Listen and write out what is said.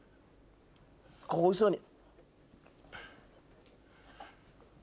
こうおいしそうに。